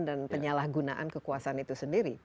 dan penyalahgunaan kekuasaan itu sendiri